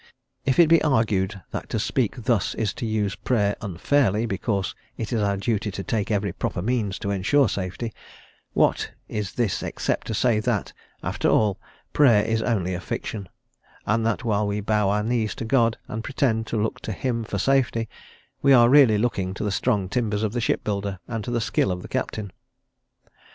If it be argued that to speak thus is to use Prayer unfairly, because it is our duty to take every proper means to ensure safety, what, is this except to say that, after all, Prayer is only a fiction, and that while we bow our knees to God, and pretend to look to him for safety, we are really looking to the strong timbers of the ship builder, and to the skill of the captain?